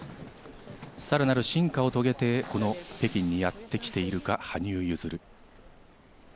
さらなる進化を遂げてこの北京にやってきているか、羽生結弦。